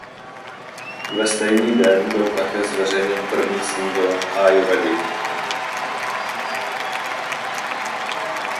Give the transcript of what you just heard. Ve stejný den byl také zveřejněn první singl "Are You Ready".